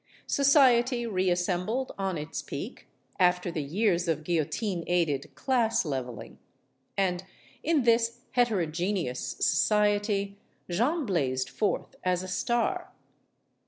Society reassembled on its peak, after the years of guillotine aided class leveling. And, in this heterogeneous society, Jeanne blazed forth as a star.